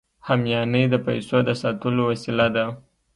همیانۍ د پیسو د ساتلو وسیله ده